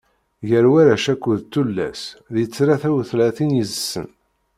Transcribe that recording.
Gar warrac akked tullas, di tlata utlatin yid-sen.